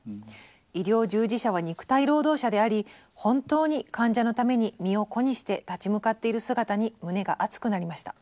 医療従事者は肉体労働者であり本当に患者のために身を粉にして立ち向かっている姿に胸が熱くなりました。